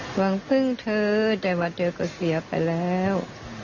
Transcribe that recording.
หวังพึ่งเธอแต่ว่าเธอก็เสียไปแล้ว